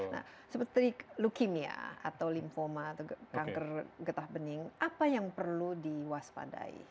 nah seperti leukemia atau lymphoma atau kanker getah bening apa yang perlu diwaspadai